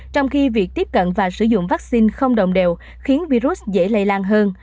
trong khi việc tiếp cận và sử dụng vaccine không đồng đều khiến virus dễ lây lan hơn